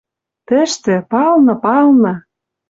Тӹштӹ, палны, палны